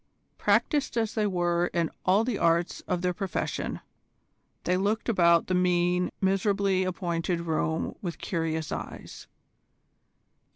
Practised as they were in all the arts of their profession, they looked about the mean, miserably appointed room with curious eyes.